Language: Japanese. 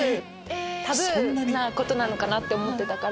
タブーなことなのかなって思ってたから。